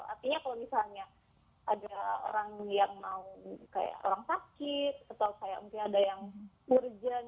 artinya kalau misalnya ada orang yang mau kayak orang sakit atau kayak mungkin ada yang urgent